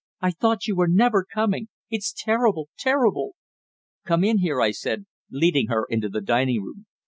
"I thought you were never coming. It's terrible terrible!" "Come in here," I said, leading her into the dining room.